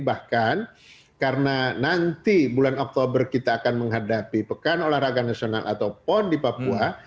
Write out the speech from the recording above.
bahkan karena nanti bulan oktober kita akan menghadapi pekan olahraga nasional atau pon di papua